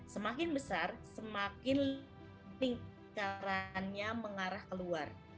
semakin besar semakin lingkarannya mengarah keluar